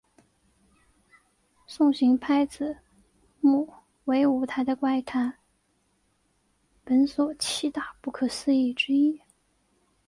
送行拍子木为舞台的怪谈本所七大不可思议之一。